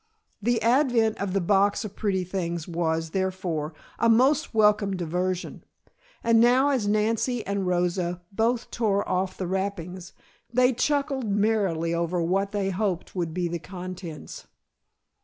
The advent of the box of pretty things was, therefore, a most welcome diversion, and now as Nancy and Rosa both tore off the wrappings, they chuckled merrily over what they hoped would be the contents.